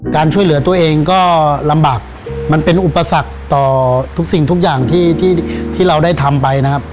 การช่วยเหลือตัวเองก็ลำบากมันเป็นอุปสรรคต่อทุกสิ่งทุกอย่างที่เราได้ทำไปนะครับ